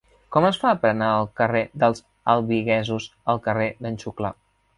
Com es fa per anar del carrer dels Albigesos al carrer d'en Xuclà?